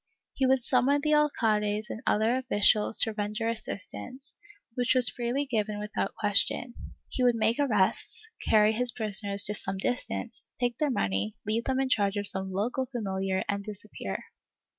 He would summon the alcades and other officials to render assistance, which was freely given without question; he would make arrests, carry his prisoners to some distance, take their money, leave them in charge of some local familiar and disappear.